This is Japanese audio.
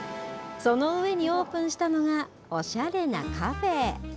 その上にオープンしたのが、おしゃれなカフェ。